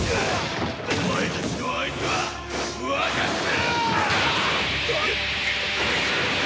お前たちの相手は私だ！